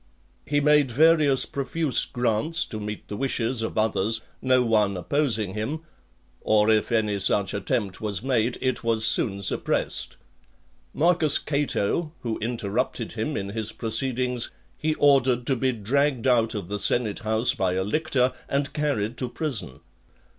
He made various profuse grants to meet the wishes of others, no one opposing him; or if any such attempt was made, it was soon suppressed. Marcus Cato, who interrupted him in his proceedings, he ordered to be dragged out of the senate house by a lictor, and carried to prison.